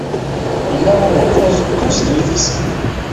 Ila umekkuẓ kkuẓ n yidisan.